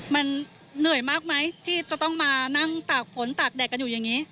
มันเหนื่อยมากไหมที่จะต้องมานั่งตากฝนตากแดดกันอยู่อย่างนี้